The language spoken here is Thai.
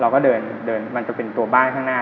เราก็เดินมันจะเป็นตัวบ้านข้างหน้า